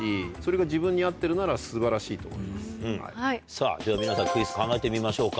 さぁでは皆さんクイズ考えてみましょうか。